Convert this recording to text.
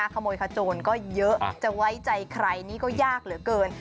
ขโมยขโจรก็เยอะจะไว้ใจใครนี่ก็ยากเหลือเกิน